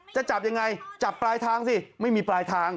จะจับยังไงจับปลายทางสิไม่มีปลายทาง